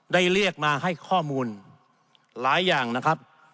เรียกมาให้ข้อมูลหลายอย่างนะครับ